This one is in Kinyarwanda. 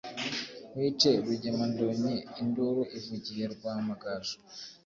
Nkwice Rugemandonyi induru ivugiye Rwamagaju,